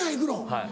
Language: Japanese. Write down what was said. はい。